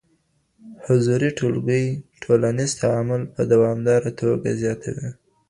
حضوري ټولګي ټولنيز تعامل په دوامداره توګه زیاتوي.